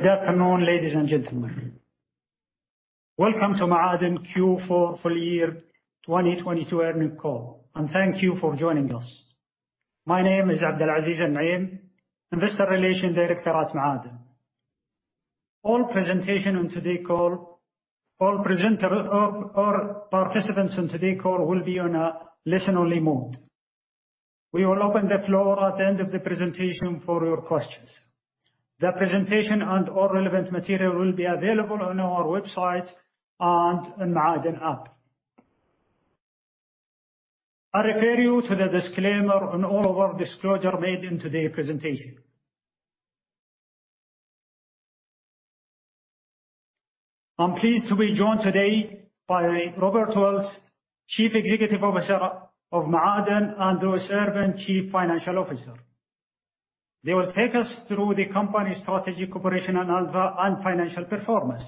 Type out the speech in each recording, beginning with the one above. Good afternoon, ladies and gentlemen. Welcome to Ma'aden Q4 full year 2022 earnings call, and thank you for joining us. My name is Abdulaziz Al-Harbi, Investor Relations Director at Ma'aden. All presenters or participants on today's call will be on a listen-only mode. We will open the floor at the end of the presentation for your questions. The presentation and all relevant material will be available on our website and on Ma'aden app. I refer you to the disclaimer on all of our disclosure made in today's presentation. I'm pleased to be joined today by Robert Wilt, Chief Executive Officer of Ma'aden, and Louis Irvine, Chief Financial Officer. They will take us through the company strategy, operations and financial performance.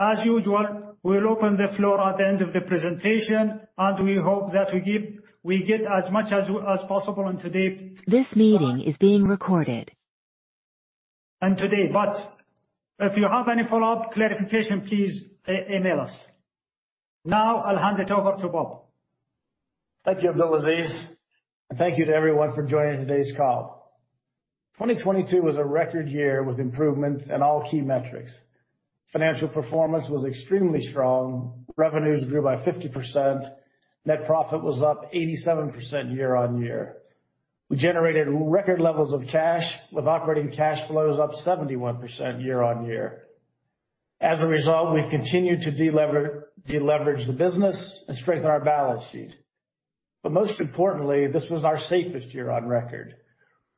As usual, we'll open the floor at the end of the presentation. This meeting is being recorded. Today, but if you have any follow-up clarification, please email us. Now, I'll hand it over to Bob. Thank you, Abdulaziz, and thank you to everyone for joining today's call. 2022 was a record year with improvements in all key metrics. Financial performance was extremely strong. Revenues grew by 50%. Net profit was up 87% year-on-year. We generated record levels of cash with operating cash flows up 71% year-on-year. As a result, we've continued to deleverage the business and strengthen our balance sheet. Most importantly, this was our safest year on record.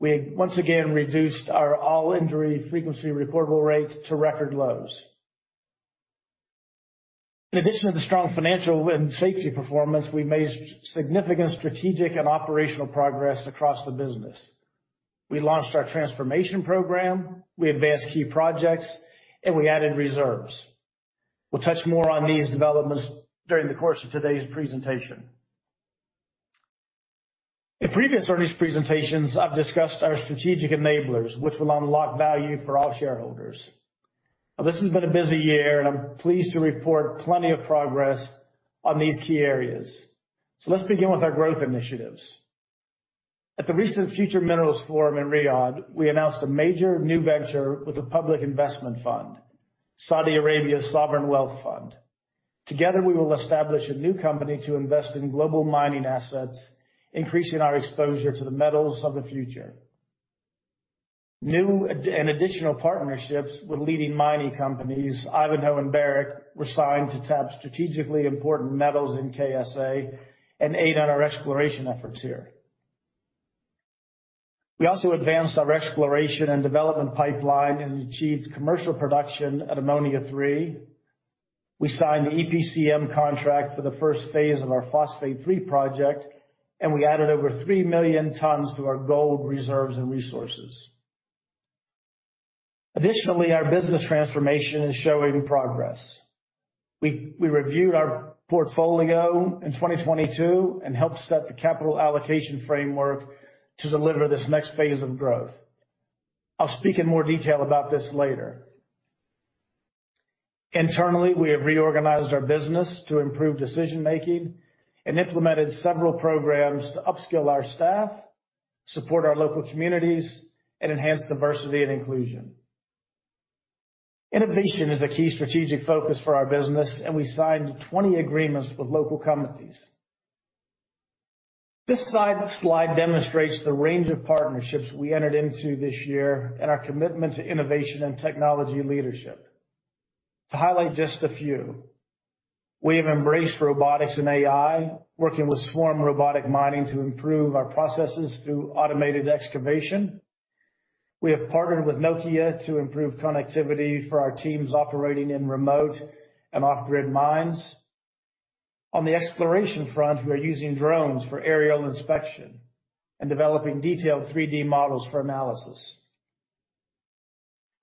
We once again reduced our all-injury frequency reportable rate to record lows. In addition to the strong financial and safety performance, we made significant strategic and operational progress across the business. We launched our transformation program, we advanced key projects, and we added reserves. We'll touch more on these developments during the course of today's presentation. In previous earnings presentations, I've discussed our strategic enablers, which will unlock value for all shareholders. This has been a busy year, and I'm pleased to report plenty of progress on these key areas. Let's begin with our growth initiatives. At the recent Future Minerals Forum in Riyadh, we announced a major new venture with the Public Investment Fund, Saudi Arabia's sovereign wealth fund. Together, we will establish a new company to invest in global mining assets, increasing our exposure to the metals of the future. New and additional partnerships with leading mining companies, Ivanhoe and Barrick, were signed to tap strategically important metals in KSA and aid on our exploration efforts here. We also advanced our exploration and development pipeline and achieved commercial production at Ammonia 3. We signed the EPCM contract for the first phase of our Phosphate 3 project, and we added over 3 million tons to our gold reserves and resources. Additionally, our business transformation is showing progress. We reviewed our portfolio in 2022, and helped set the capital allocation framework to deliver this next phase of growth. I'll speak in more detail about this later. Internally, we have reorganized our business to improve decision-making and implemented several programs to upskill our staff, support our local communities, and enhance diversity and inclusion. Innovation is a key strategic focus for our business, and we signed 20 agreements with local companies. This slide demonstrates the range of partnerships we entered into this year and our commitment to innovation and technology leadership. To highlight just a few, we have embraced robotics and AI, working with Swarm Robotic Mining to improve our processes through automated excavation. We have partnered with Nokia to improve connectivity for our teams operating in remote and off-grid mines. On the exploration front, we are using drones for aerial inspection and developing detailed 3D models for analysis.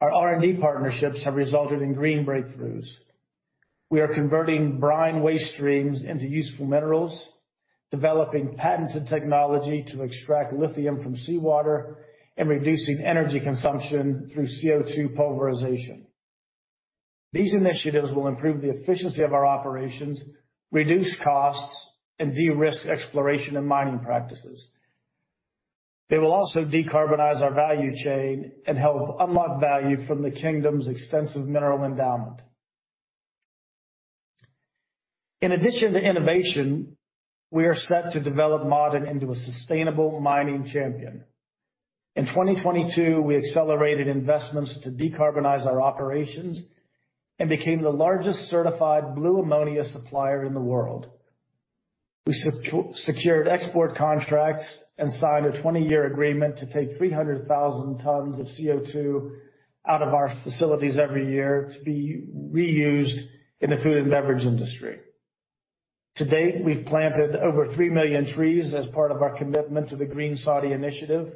Our R&D partnerships have resulted in green breakthroughs. We are converting brine waste streams into useful minerals, developing patented technology to extract lithium from seawater, and reducing energy consumption through CO2 pulverization. These initiatives will improve the efficiency of our operations, reduce costs, and de-risk exploration and mining practices. They will also decarbonize our value chain and help unlock value from the kingdom's extensive mineral endowment. In addition to innovation, we are set to develop Ma'aden into a sustainable mining champion. In 2022, we accelerated investments to decarbonize our operations and became the largest certified blue ammonia supplier in the world. We secured export contracts and signed a 20-year agreement to take 300,000 tons of CO2 out of our facilities every year to be reused in the food and beverage industry. To date, we've planted over 3 million trees as part of our commitment to the Saudi Green Initiative,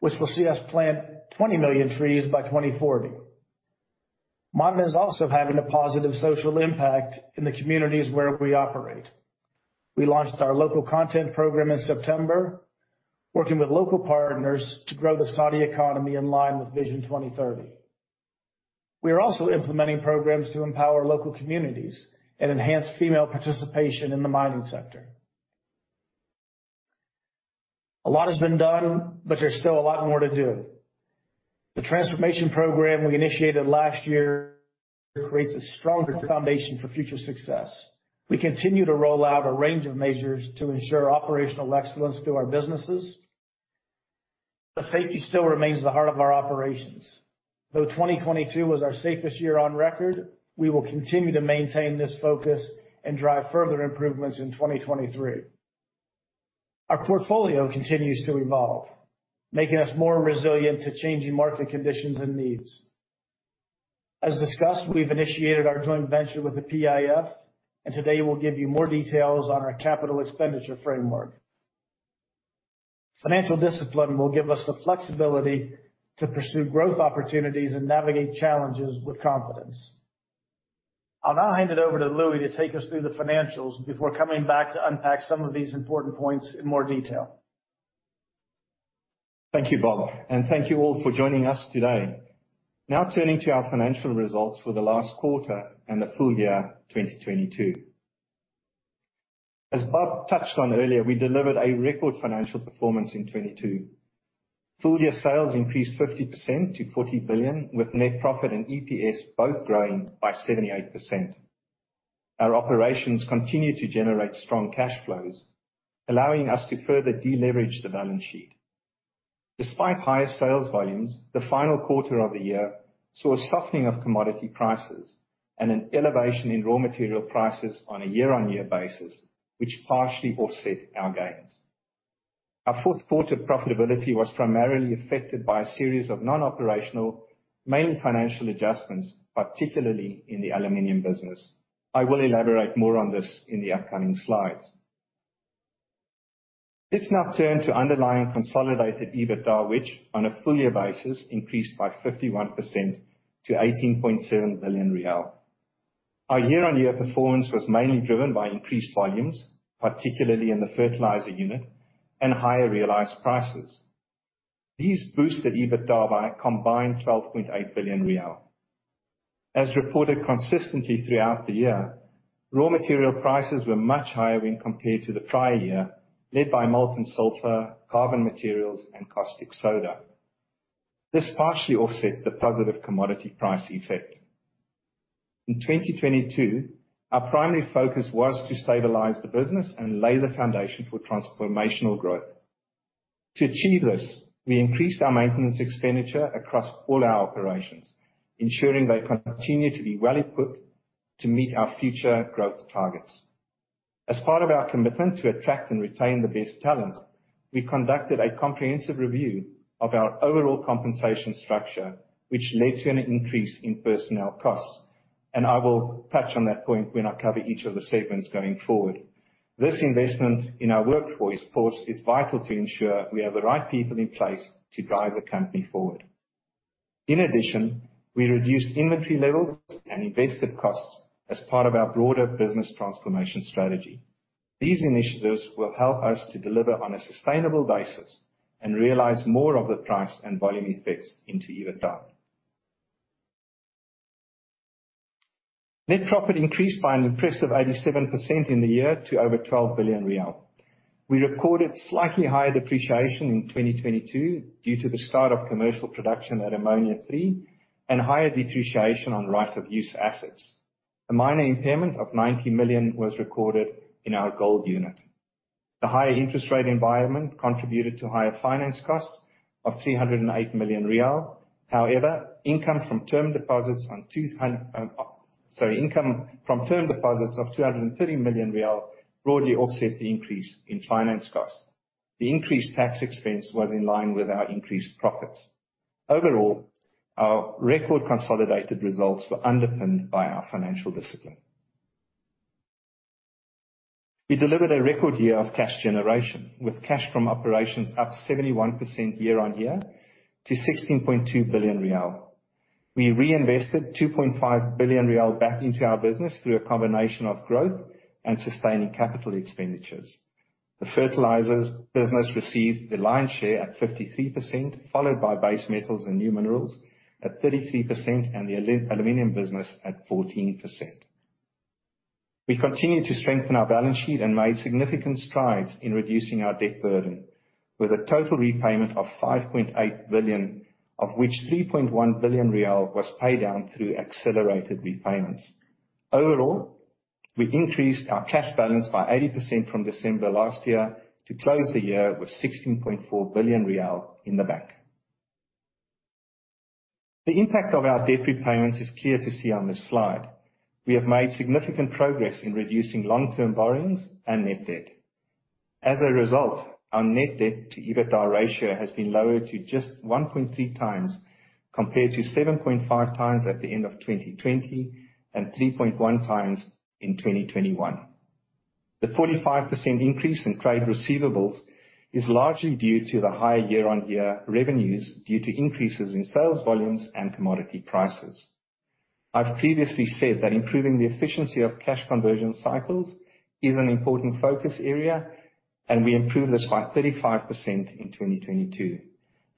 which will see us plant 20 million trees by 2040. Ma'aden is also having a positive social impact in the communities where we operate. We launched our local content program in September, working with local partners to grow the Saudi economy in line with Vision 2030. We are also implementing programs to empower local communities and enhance female participation in the mining sector. A lot has been done, but there's still a lot more to do. The transformation program we initiated last year creates a stronger foundation for future success. We continue to roll out a range of measures to ensure operational excellence through our businesses. Safety still remains the heart of our operations. Though 2022 was our safest year on record, we will continue to maintain this focus and drive further improvements in 2023. Our portfolio continues to evolve, making us more resilient to changing market conditions and needs. As discussed, we've initiated our joint venture with the PIF, and today we'll give you more details on our capital expenditure framework. Financial discipline will give us the flexibility to pursue growth opportunities and navigate challenges with confidence. I'll now hand it over to Louis to take us through the financials before coming back to unpack some of these important points in more detail. Thank you, Bob, and thank you all for joining us today. Now turning to our financial results for the last quarter and the full year 2022. As Bob touched on earlier, we delivered a record financial performance in '22. Full-year sales increased 50% to 40 billion, with net profit and EPS both growing by 78%. Our operations continue to generate strong cash flows, allowing us to further de-leverage the balance sheet. Despite higher sales volumes, the final quarter of the year saw a softening of commodity prices and an elevation in raw material prices on a year-on-year basis, which partially offset our gains. Our fourth quarter profitability was primarily affected by a series of non-operational, mainly financial adjustments, particularly in the aluminum business. I will elaborate more on this in the upcoming slides. Let's now turn to underlying consolidated EBITDA, which, on a full year basis, increased by 51% to 18.7 billion riyal. Our year-on-year performance was mainly driven by increased volumes, particularly in the fertilizer unit, and higher realized prices. These boosted EBITDA by a combined SAR 12.8 billion. As reported consistently throughout the year, raw material prices were much higher when compared to the prior year, led by molten sulfur, carbon materials, and caustic soda. This partially offset the positive commodity price effect. In 2022, our primary focus was to stabilize the business and lay the foundation for transformational growth. To achieve this, we increased our maintenance expenditure across all our operations, ensuring they continue to be well-equipped to meet our future growth targets. As part of our commitment to attract and retain the best talent, we conducted a comprehensive review of our overall compensation structure, which led to an increase in personnel costs, and I will touch on that point when I cover each of the segments going forward. This investment in our workforce is vital to ensure we have the right people in place to drive the company forward. In addition, we reduced inventory levels and invested costs as part of our broader business transformation strategy. These initiatives will help us to deliver on a sustainable basis and realize more of the price and volume effects into EBITDA. Net profit increased by an impressive 87% in the year to over 12 billion riyal. We recorded slightly higher depreciation in 2022 due to the start of commercial production at Ammonia 3 and higher depreciation on right-of-use assets. A minor impairment of 90 million was recorded in our gold unit. The higher interest rate environment contributed to higher finance costs of SAR 308 million. Income from term deposits of SAR 230 million broadly offset the increase in finance costs. The increased tax expense was in line with our increased profits. Overall, our record consolidated results were underpinned by our financial discipline. We delivered a record year of cash generation, with cash from operations up 71% year-over-year to SAR 16.2 billion. We reinvested SAR 2.5 billion back into our business through a combination of growth and sustaining CapEx. The fertilizers business received the lion's share at 53%, followed by base metals and new minerals at 33% and the aluminum business at 14%. We continued to strengthen our balance sheet and made significant strides in reducing our debt burden with a total repayment of 5.8 billion, of which SAR 3.1 billion was paid down through accelerated repayments. Overall, we increased our cash balance by 80% from December last year to close the year with 16.4 billion riyal in the bank. The impact of our debt repayments is clear to see on this slide. We have made significant progress in reducing long-term borrowings and net debt. Our net debt to EBITDA ratio has been lowered to just 1.3 times compared to 7.5 times at the end of 2020 and 3.1 times in 2021. The 45% increase in trade receivables is largely due to the higher year-over-year revenues due to increases in sales volumes and commodity prices. I've previously said that improving the efficiency of cash conversion cycles is an important focus area, we improved this by 35% in 2022.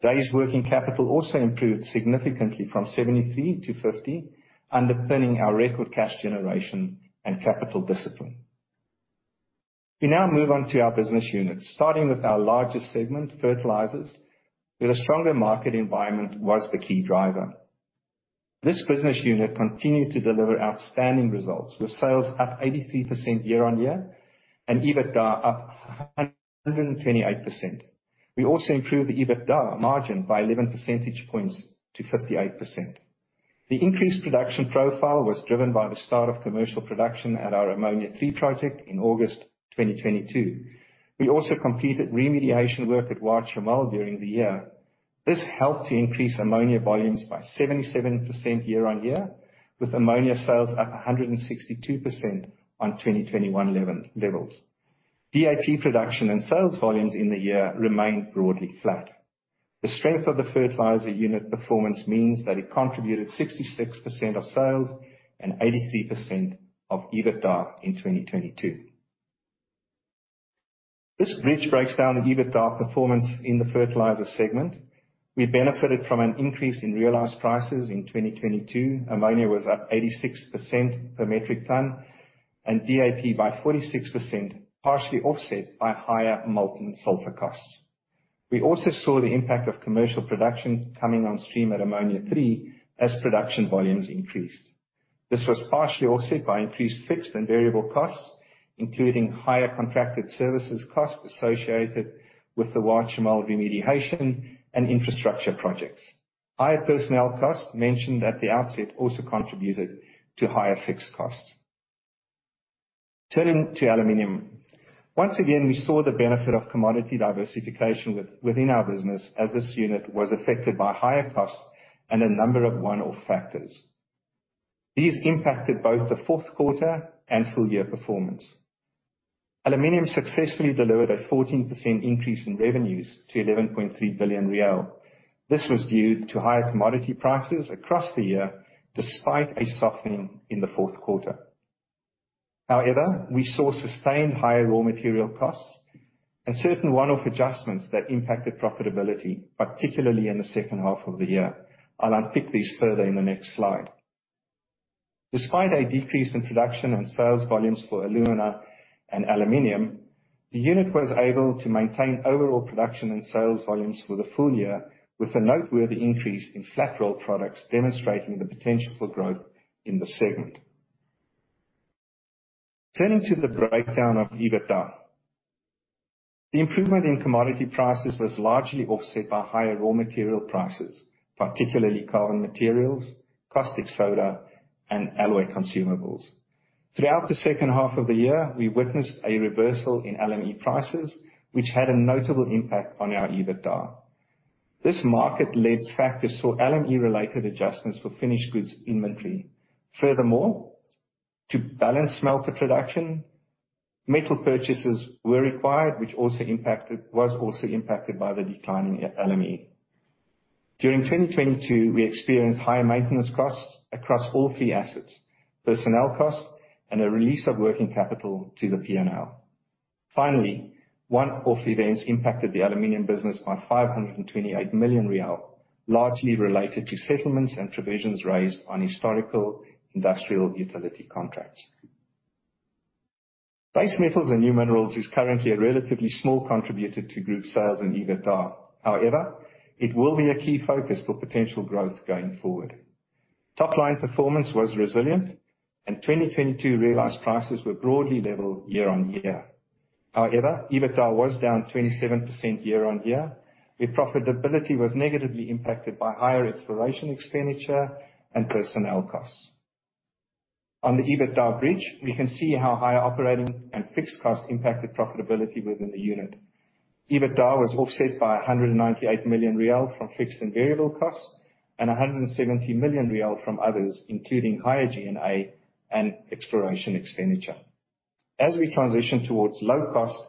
Days working capital also improved significantly from 73 to 50, underpinning our record cash generation and capital discipline. We now move on to our business units, starting with our largest segment, fertilizers, where the stronger market environment was the key driver. This business unit continued to deliver outstanding results, with sales up 83% year-over-year and EBITDA up 128%. We also improved the EBITDA margin by 11 percentage points to 58%. The increased production profile was driven by the start of commercial production at our Ammonia III project in August 2022. We also completed remediation work at Wa'ad Al Shamal during the year. This helped to increase ammonia volumes by 77% year-over-year, with ammonia sales up 162% on 2021 levels. DAP production and sales volumes in the year remained broadly flat. The strength of the fertilizer unit performance means that it contributed 66% of sales and 83% of EBITDA in 2022. This bridge breaks down the EBITDA performance in the fertilizer segment. We benefited from an increase in realized prices in 2022. Ammonia was up 86% per metric ton and DAP by 46%, partially offset by higher molten sulfur costs. We also saw the impact of commercial production coming on stream at Ammonia III as production volumes increased. This was partially offset by increased fixed and variable costs, including higher contracted services costs associated with the Wa'ad Al Shamal remediation and infrastructure projects. Higher personnel costs mentioned at the outset also contributed to higher fixed costs. Turning to aluminum. Once again, we saw the benefit of commodity diversification within our business, as this unit was affected by higher costs and a number of one-off factors. These impacted both the fourth quarter and full year performance. Aluminum successfully delivered a 14% increase in revenues to 11.3 billion riyal. This was due to higher commodity prices across the year, despite a softening in the fourth quarter. However, we saw sustained higher raw material costs and certain one-off adjustments that impacted profitability, particularly in the second half of the year. I'll unpick these further in the next slide. Despite a decrease in production and sales volumes for alumina and aluminum, the unit was able to maintain overall production and sales volumes for the full year, with a noteworthy increase in flat roll products demonstrating the potential for growth in the segment. Turning to the breakdown of EBITDA. The improvement in commodity prices was largely offset by higher raw material prices, particularly carbon materials, caustic soda, and alloy consumables. Throughout the second half of the year, we witnessed a reversal in LME prices, which had a notable impact on our EBITDA. This market-led factor saw LME-related adjustments for finished goods inventory. To balance smelter production, metal purchases were required, which was also impacted by the decline in LME. During 2022, we experienced higher maintenance costs across all three assets, personnel costs, and a release of working capital to the P&L. One-off events impacted the aluminum business by 528 million riyal, largely related to settlements and provisions raised on historical industrial utility contracts. Base metals and new minerals is currently a relatively small contributor to group sales and EBITDA. It will be a key focus for potential growth going forward. Top-line performance was resilient. 2022 realized prices were broadly level year-on-year. EBITDA was down 27% year-on-year, where profitability was negatively impacted by higher exploration expenditure and personnel costs. On the EBITDA bridge, we can see how higher operating and fixed costs impacted profitability within the unit. EBITDA was offset by SAR 198 million from fixed and variable costs and SAR 170 million from others, including higher G&A and exploration expenditure. As we transition towards low cost,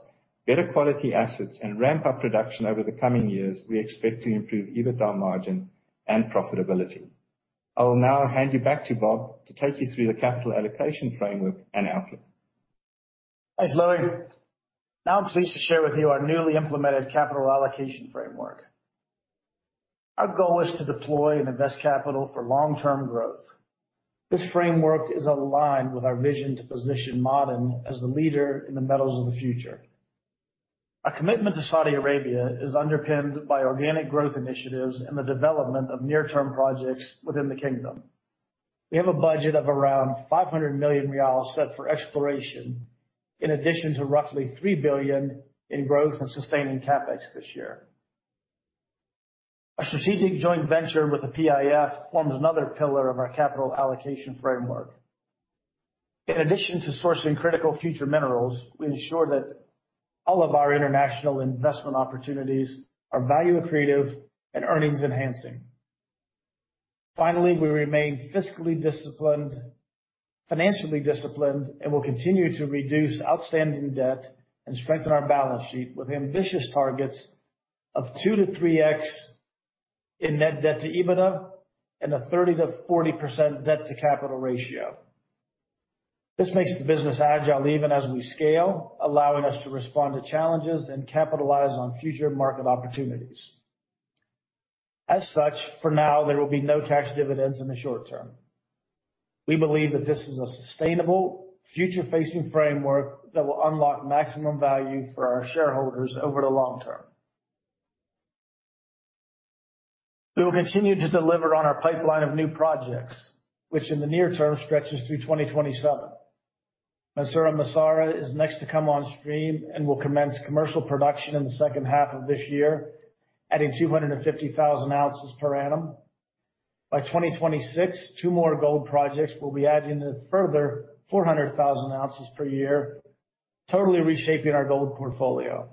better quality assets and ramp up production over the coming years, we expect to improve EBITDA margin and profitability. I will now hand you back to Bob to take you through the capital allocation framework and outlook. Thanks, Laurie. I'm pleased to share with you our newly implemented capital allocation framework. Our goal is to deploy and invest capital for long-term growth. This framework is aligned with our vision to position Ma'aden as the leader in the metals of the future. Our commitment to Saudi Arabia is underpinned by organic growth initiatives and the development of near-term projects within the kingdom. We have a budget of around SAR 500 million set for exploration, in addition to roughly 3 billion in growth and sustaining CapEx this year. Our strategic joint venture with the PIF forms another pillar of our capital allocation framework. In addition to sourcing critical future minerals, we ensure that all of our international investment opportunities are value accretive and earnings enhancing. Finally, we remain fiscally disciplined, financially disciplined, will continue to reduce outstanding debt and strengthen our balance sheet with ambitious targets of 2x-3x in net debt to EBITDA and a 30%-40% debt to capital ratio. This makes the business agile even as we scale, allowing us to respond to challenges and capitalize on future market opportunities. As such, for now, there will be no cash dividends in the short term. We believe that this is a sustainable future-facing framework that will unlock maximum value for our shareholders over the long term. We will continue to deliver on our pipeline of new projects, which in the near term stretches through 2027. Mansourah Massarah is next to come on stream and will commence commercial production in the second half of this year, adding 250,000 ounces per annum. By 2026, two more gold projects will be adding a further 400,000 ounces per year, totally reshaping our gold portfolio.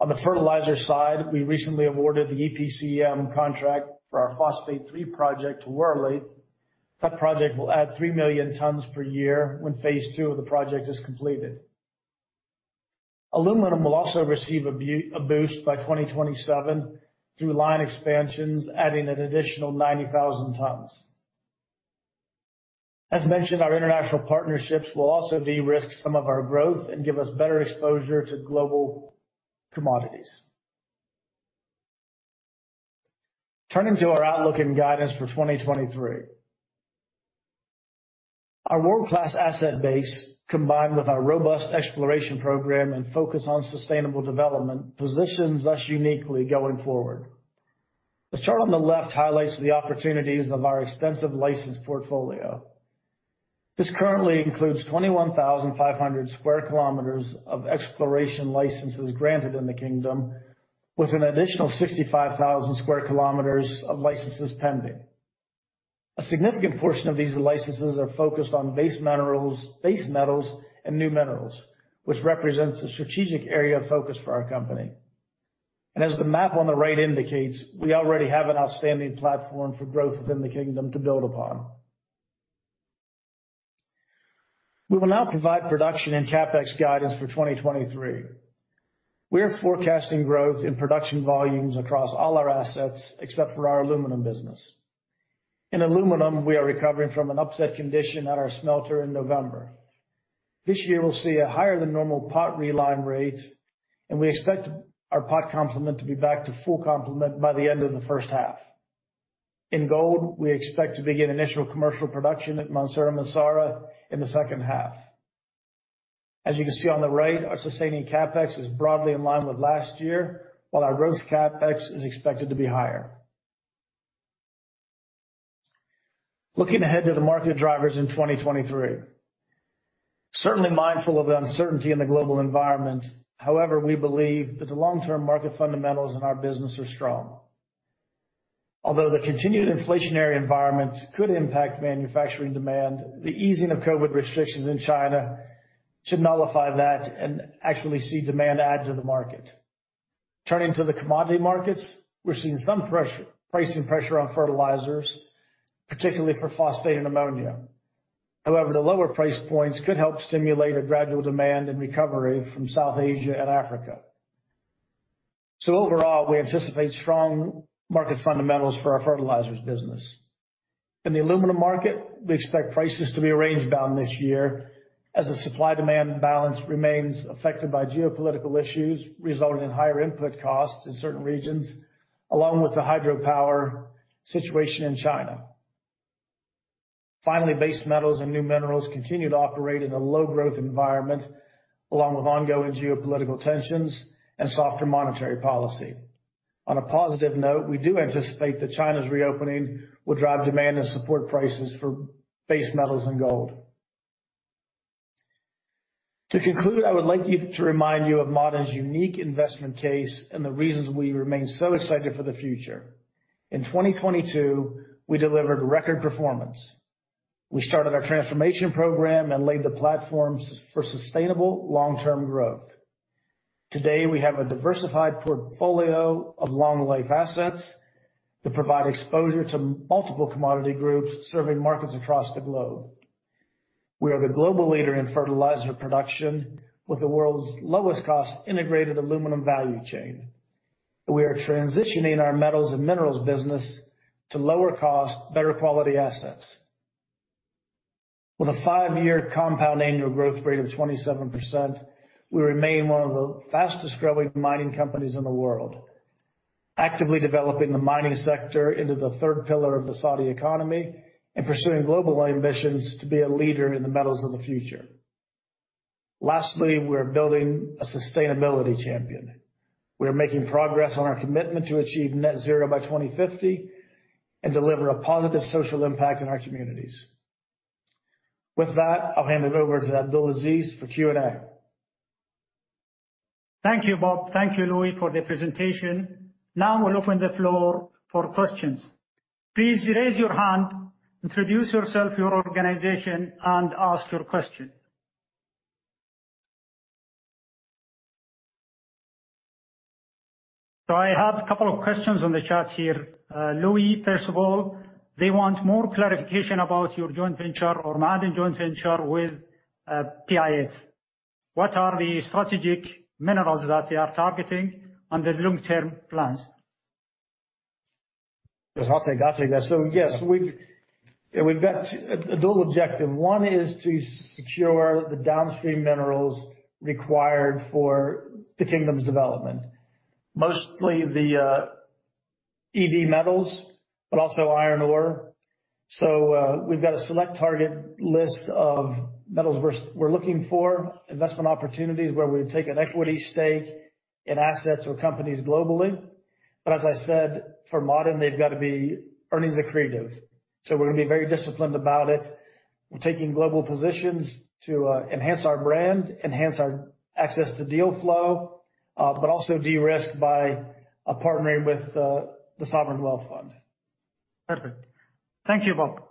On the fertilizer side, we recently awarded the EPCM contract for our Phosphate 3 project to Worley. That project will add 3 million tons per year when phase 2 of the project is completed. Aluminum will also receive a boost by 2027 through line expansions, adding an additional 90,000 tons. As mentioned, our international partnerships will also de-risk some of our growth and give us better exposure to global commodities. Turning to our outlook and guidance for 2023. Our world-class asset base, combined with our robust exploration program and focus on sustainable development, positions us uniquely going forward. The chart on the left highlights the opportunities of our extensive license portfolio. This currently includes 21,500 square kilometers of exploration licenses granted in the kingdom, with an additional 65,000 square kilometers of licenses pending. A significant portion of these licenses are focused on base metals and new minerals, which represents a strategic area of focus for our company. As the map on the right indicates, we already have an outstanding platform for growth within the kingdom to build upon. We will now provide production and CapEx guidance for 2023. We are forecasting growth in production volumes across all our assets, except for our Aluminum business. In Aluminum, we are recovering from an upset condition at our smelter in November. This year, we will see a higher than normal pot reline rate, and we expect our pot complement to be back to full complement by the end of the first half. In gold, we expect to begin initial commercial production at Mansourah Massarah in the second half. As you can see on the right, our sustaining CapEx is broadly in line with last year, while our growth CapEx is expected to be higher. Looking ahead to the market drivers in 2023. Certainly mindful of the uncertainty in the global environment, however, we believe that the long-term market fundamentals in our business are strong. Although the continued inflationary environment could impact manufacturing demand, the easing of COVID restrictions in China should nullify that and actually see demand add to the market. Turning to the commodity markets, we are seeing some pricing pressure on fertilizers, particularly for Phosphate and Ammonia. However, the lower price points could help stimulate a gradual demand and recovery from South Asia and Africa. Overall, we anticipate strong market fundamentals for our fertilizers business. In the aluminum market, we expect prices to be range-bound this year as the supply-demand balance remains affected by geopolitical issues, resulting in higher input costs in certain regions, along with the hydropower situation in China. Finally, base metals and new minerals continue to operate in a low-growth environment, along with ongoing geopolitical tensions and softer monetary policy. On a positive note, we do anticipate that China's reopening will drive demand and support prices for base metals and gold. To conclude, I would like to remind you of Ma'aden's unique investment case and the reasons we remain so excited for the future. In 2022, we delivered record performance. We started our transformation program and laid the platforms for sustainable long-term growth. Today, we have a diversified portfolio of long-life assets that provide exposure to multiple commodity groups serving markets across the globe. We are the global leader in fertilizer production with the world's lowest-cost integrated aluminum value chain. We are transitioning our metals and minerals business to lower-cost, better quality assets. With a five-year compound annual growth rate of 27%, we remain one of the fastest-growing mining companies in the world, actively developing the mining sector into the third pillar of the Saudi economy and pursuing global ambitions to be a leader in the metals of the future. We are building a sustainability champion. We are making progress on our commitment to achieve net zero by 2050 and deliver a positive social impact in our communities. With that, I'll hand it over to Abdulaziz for Q&A. Thank you, Bob. Thank you, Louie, for the presentation. Now we'll open the floor for questions. Please raise your hand, introduce yourself, your organization, and ask your question. I have a couple of questions on the chat here. Louis, first of all, they want more clarification about your joint venture or Ma'aden joint venture with PIF. What are the strategic minerals that they are targeting on the long-term plans? Yes, I'll take that. Yes, we've got a dual objective. One is to secure the downstream minerals required for the kingdom's development, mostly the EV metals, but also iron ore. We've got a select target list of metals we're looking for, investment opportunities where we take an equity stake in assets or companies globally. As I said, for Ma'aden, they've got to be earnings accretive. We're going to be very disciplined about it. We're taking global positions to enhance our brand, enhance our access to deal flow, but also de-risk by partnering with the sovereign wealth fund. Perfect. Thank you, Bob.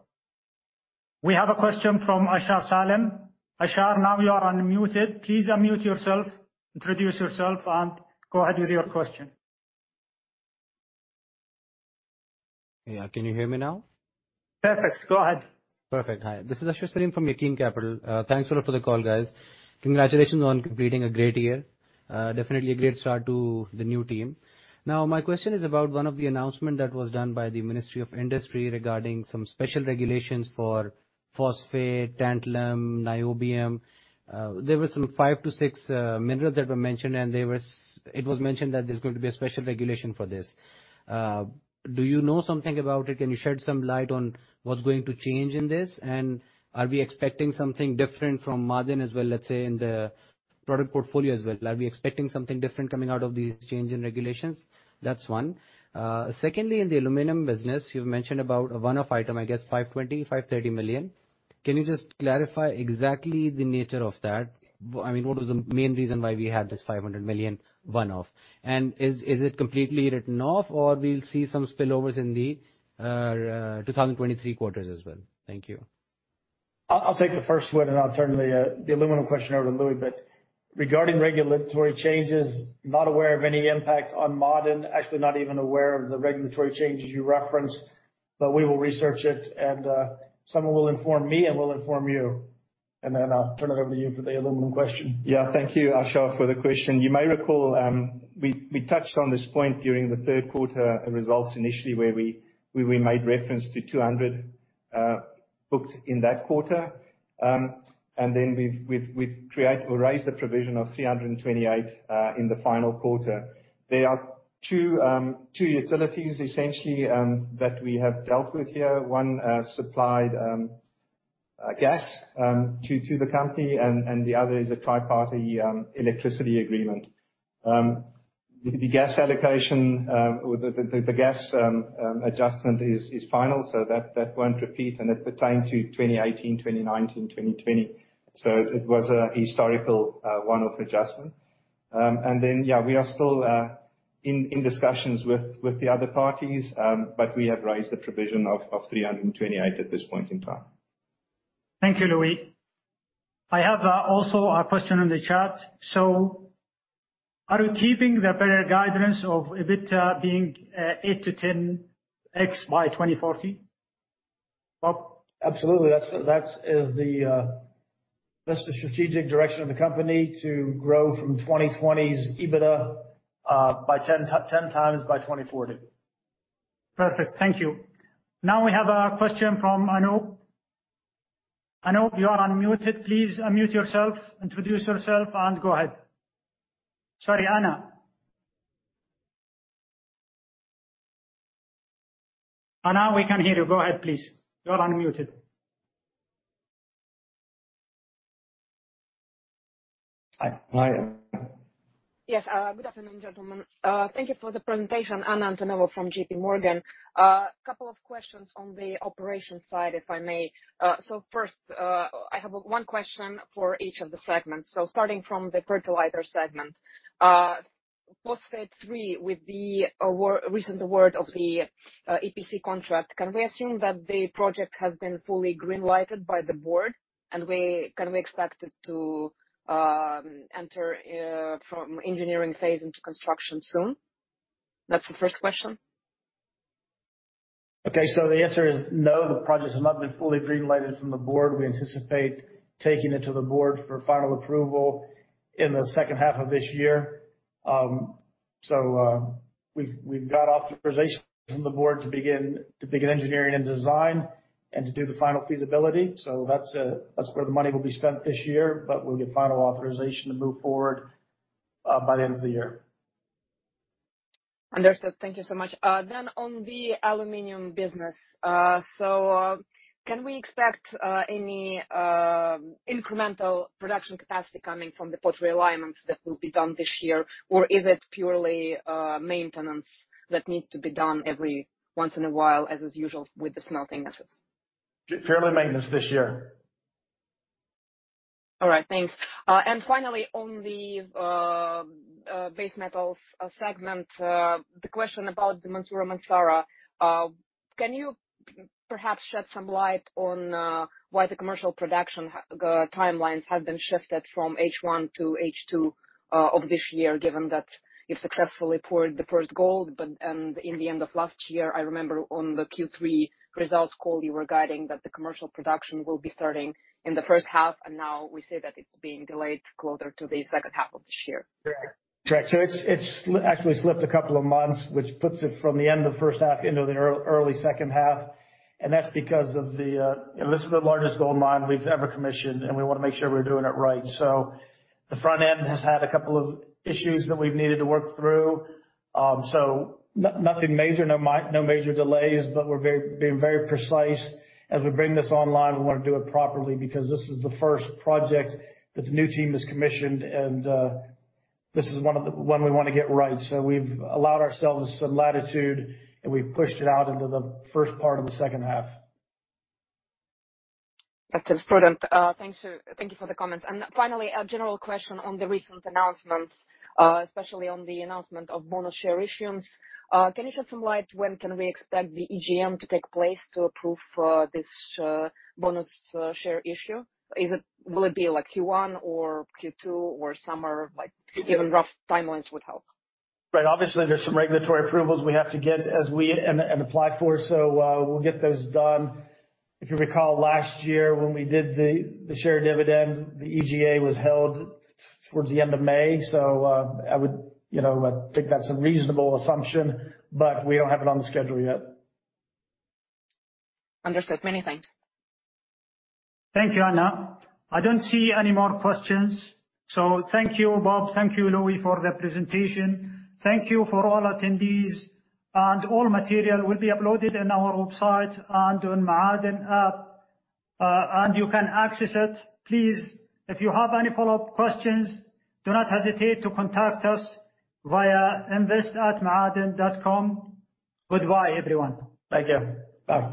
We have a question from Ashhar Saleem. Ashar, now you are unmuted. Please unmute yourself, introduce yourself, and go ahead with your question. Yeah. Can you hear me now? Perfect. Go ahead. Perfect. Hi. This is Ashhar Saleem from Yaqeen Capital. Thanks a lot for the call, guys. Congratulations on completing a great year. Definitely a great start to the new team. My question is about one of the announcement that was done by the Ministry of Industry regarding some special regulations for phosphate, tantalum, niobium. There were some five to six minerals that were mentioned, and it was mentioned that there's going to be a special regulation for this. Do you know something about it? Can you shed some light on what's going to change in this? Are we expecting something different from Ma'aden as well, let's say, in the product portfolio as well? Are we expecting something different coming out of these change in regulations? That's one. Secondly, in the aluminum business, you've mentioned about a one-off item, I guess 520, 530 million. Can you just clarify exactly the nature of that? What was the main reason why we had this 500 million one-off? Is it completely written off or we'll see some spillovers in the 2023 quarters as well? Thank you. I'll take the first one. I'll turn the aluminum question over to Louis. Regarding regulatory changes, not aware of any impact on Ma'aden. Actually, not even aware of the regulatory changes you referenced. We will research it. Someone will inform me. We'll inform you. Then I'll turn it over to you for the aluminum question. Thank you, Ashhar, for the question. You may recall, we touched on this point during the third quarter results initially, where we made reference to 200 booked in that quarter. Then we've raised a provision of 328 in the final quarter. There are two utilities essentially that we have dealt with here. One supplied gas to the company, and the other is a tri-party electricity agreement. The gas adjustment is final. That won't repeat. It pertained to 2018, 2019, 2020. It was a historical one-off adjustment. Then, we are still in discussions with the other parties, but we have raised the provision of 328 at this point in time. Thank you, Louis. I have also a question in the chat. Are you keeping the better guidance of EBITDA being 8x-10x by 2040, Bob? Absolutely. That's the strategic direction of the company to grow from 2020's EBITDA by 10 times by 2040. Perfect. Thank you. Now we have a question from Anup. Anup, you are unmuted. Please unmute yourself, introduce yourself, and go ahead. Sorry, Anna. Now we can hear you. Go ahead, please. You're unmuted. Hi. Hi. Yes. Good afternoon, gentlemen. Thank you for the presentation. Anna Antonova from J.P. Morgan. A couple of questions on the operations side, if I may. First, I have one question for each of the segments. Starting from the Fertilizers segment. Phosphate 3 with the recent award of the EPC contract, can we assume that the project has been fully green-lighted by the board? Can we expect it to enter from engineering phase into construction soon? That's the first question. Okay. The answer is no, the project has not been fully green-lighted from the board. We anticipate taking it to the board for final approval in the second half of this year. We've got authorization from the board to begin engineering and design and to do the final feasibility. That's where the money will be spent this year, but we'll get final authorization to move forward by the end of the year. Understood. Thank you so much. On the Aluminum business. Can we expect any incremental production capacity coming from the pot relining that will be done this year? Or is it purely maintenance that needs to be done every once in a while, as is usual with the smelting assets? Purely maintenance this year. All right, thanks. Finally, on the base metals segment, the question about the Mansourah Massarah. Can you perhaps shed some light on why the commercial production timelines have been shifted from H1 to H2 of this year, given that you've successfully poured the first gold? In the end of last year, I remember on the Q3 results call, you were guiding that the commercial production will be starting in the first half, and now we see that it's being delayed closer to the second half of this year. Correct. It's actually slipped a couple of months, which puts it from the end of first half into the early second half. That's because this is the largest gold mine we've ever commissioned, and we want to make sure we're doing it right. The front end has had a couple of issues that we've needed to work through. Nothing major, no major delays, but we're being very precise as we bring this online. We want to do it properly because this is the first project that the new team has commissioned and this is one we want to get right. We've allowed ourselves some latitude, and we've pushed it out into the first part of the second half. That seems prudent. Thank you for the comments. Finally, a general question on the recent announcements, especially on the announcement of bonus share issuance. Can you shed some light when can we expect the EGM to take place to approve this bonus share issue? Will it be Q1 or Q2 or summer? Even rough timelines would help. Right. Obviously, there's some regulatory approvals we have to get and apply for. We'll get those done. If you recall last year when we did the share dividend, the EGM was held towards the end of May. I think that's a reasonable assumption, but we don't have it on the schedule yet. Understood. Many thanks. Thank you, Anna. I don't see any more questions. Thank you, Bob, thank you, Louie, for the presentation. Thank you for all attendees, all material will be uploaded in our website and on Ma'aden app. You can access it. Please, if you have any follow-up questions, do not hesitate to contact us via invest@maaden.com. Goodbye, everyone. Thank you. Bye.